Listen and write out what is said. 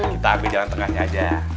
kita ambil jalan tengahnya aja